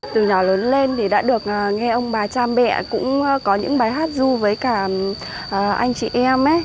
từ nhỏ lớn lên thì đã được nghe ông bà cha mẹ cũng có những bài hát du với cả anh chị em